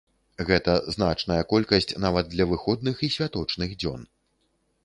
Гэта значная колькасць нават для выходных і святочных дзён.